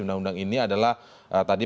undang undang ini adalah tadi